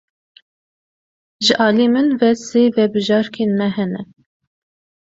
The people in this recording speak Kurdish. Ji aliyê min ve sê vebijarkên me hene.